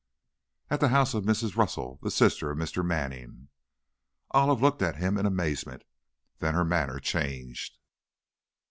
"At the house of Mrs. Russell, the sister of Mr. Manning." Olive looked at him in amazement. Then her manner changed.